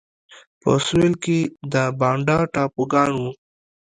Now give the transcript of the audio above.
په سوېل کې د بانډا ټاپوګان وو.